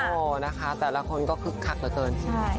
โอ้โหนะคะแต่ละคนก็คึกคักเหลือเกิน